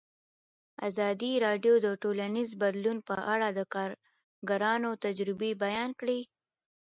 ازادي راډیو د ټولنیز بدلون په اړه د کارګرانو تجربې بیان کړي.